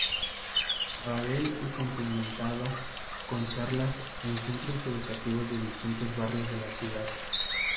Sabadell y complementado con charlas en centros educativos de distintos barrios de la ciudad.